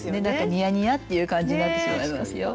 ニヤニヤっていう感じになってしまいますよ。